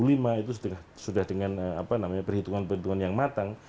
itu sudah dengan perhitungan perhitungan yang matang